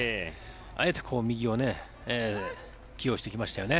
あえて右を起用してきましたよね。